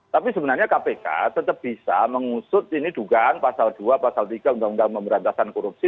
tapi sebenarnya kpk tetap bisa mengusut ini dugaan pasal dua pasal tiga undang undang pemberantasan korupsi